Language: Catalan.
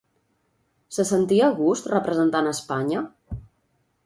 Se sentia a gust representant a Espanya?